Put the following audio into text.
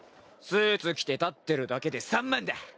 スーツ着て立ってるだけで３万だ！